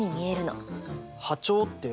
波長って？